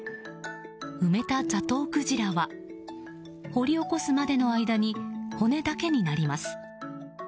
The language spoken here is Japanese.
埋めたザトウクジラは掘り起こすまでの間に骨だけになります。